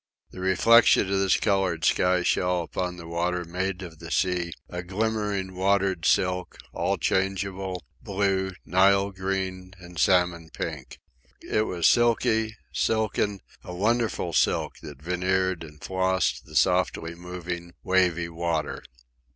The reflection of this coloured sky shell upon the water made of the sea a glimmering watered silk, all changeable, blue, Nile green, and salmon pink. It was silky, silken, a wonderful silk that veneered and flossed the softly moving, wavy water.